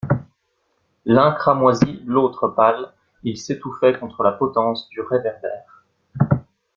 L'un cramoisi, l'autre pâle, il s'étouffaient contre la potence du réverbère.